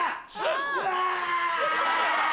うわ！